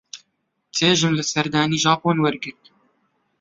چێژم لە سەردانی ژاپۆن وەرگرت.